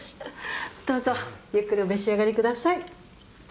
どうぞゆっくりお召し上がりください。